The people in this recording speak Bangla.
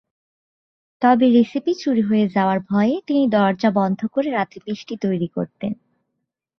তবে রেসিপি চুরি হয়ে যাওয়ার ভয়ে তিনিও দরজা বন্ধ করে রাতে মিষ্টি তৈরী করতেন।